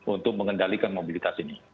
untuk mengendalikan mobilitas ini